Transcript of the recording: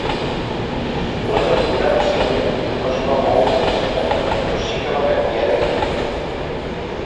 La temporada següent no es va moure d'Israel però sí que va canviar d'equip.